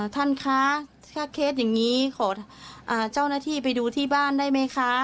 ท่านคะถ้าเคสอย่างนี้ขอเจ้าหน้าที่ไปดูที่บ้านได้ไหมคะ